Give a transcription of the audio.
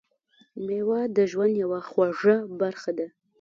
میوه د ژوند یوه خوږه برخه ده.